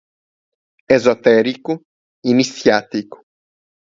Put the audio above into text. Esotérico, iniciático